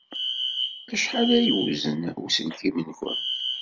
Acḥal ay yewzen uselkim-nwent?